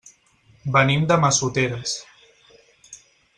Venim de Massoteres.